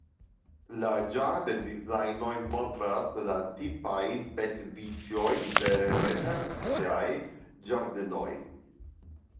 La ĝardendezajnoj montras la tipajn bedvicojn de renesancaj ĝardenoj.